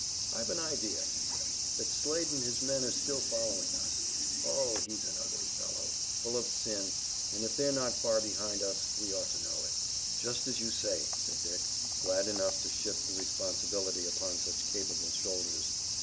"I've an idea," he said, "that Slade and his men are still following us. Oh, he's an ugly fellow, full of sin, and if they're not far behind us we ought to know it." "Just as you say," said Dick, glad enough to shift the responsibility upon such capable shoulders.